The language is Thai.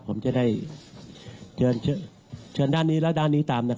ผมจะได้เชิญได้ด้านนี้และด้านนี้ตามนะครับ